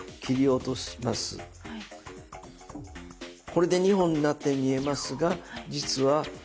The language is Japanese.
これで２本になったように見えますが実は。